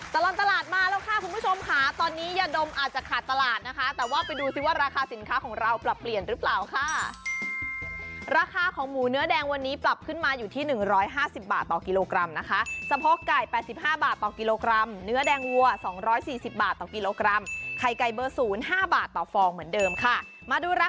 ตลอดตลาดมาแล้วค่ะคุณผู้ชมค่ะตอนนี้ยาดมอาจจะขาดตลาดนะคะแต่ว่าไปดูสิว่าราคาสินค้าของเราปรับเปลี่ยนหรือเปล่าค่ะราคาของหมูเนื้อแดงวันนี้ปรับขึ้นมาอยู่ที่๑๕๐บาทต่อกิโลกรัมนะคะสะโพกไก่๘๕บาทต่อกิโลกรัมเนื้อแดงวัว๒๔๐บาทต่อกิโลกรัมไข่ไก่เบอร์ศูนย์ห้าบาทต่อฟองเหมือนเดิมค่ะมาดูรัก